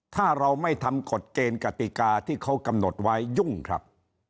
ถ้าเราไม่ทำกฎเกณฑ์กติกาที่เขากำหนดไว้ยุ่งครับ